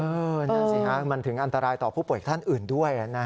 นั่นสิฮะมันถึงอันตรายต่อผู้ป่วยท่านอื่นด้วย